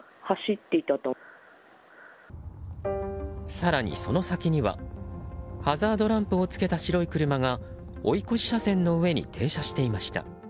更に、その先にはハザードランプをつけた白い車が追い越し車線の上に停車していました。